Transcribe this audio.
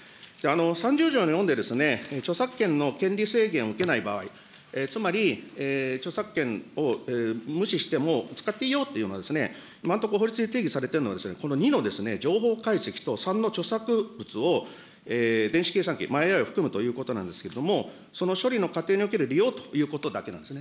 ３０条の４で著作権の権利制限を受けない場合、つまり著作権を無視しても使っていいよというような、今のところ、法律で定義されているのは、この２の情報解析と３の著作物を電子計算機、ＡＩを含むということなんですけれども、その処理の過程における利用ということだけなんですね。